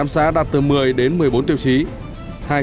tám xã đạt từ một mươi đến một mươi bốn tiêu chí